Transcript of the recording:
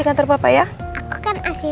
kamu apa sih